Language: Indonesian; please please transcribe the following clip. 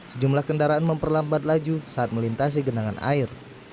sejumlah kendaraan memperlambat laju saat melintasi genangan air